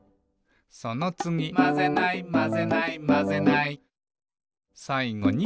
「そのつぎ」「『まぜない』『まぜない』『まぜない』」「さいごに」